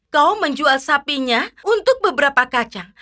kau menjual sapinya untuk beberapa kacang